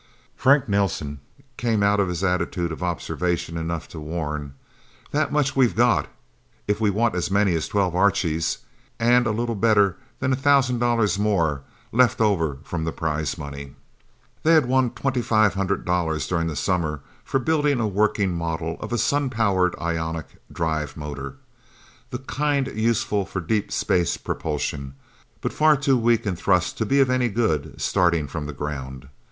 Frank Nelsen came out of his attitude of observation enough to warn, "That much we've got, if we want as many as twelve Archies. And a little better than a thousand dollars more, left over from the prize money." They had won twenty five hundred dollars during the summer for building a working model of a sun powered ionic drive motor the kind useful for deep space propulsion, but far too weak in thrust to be any good, starting from the ground.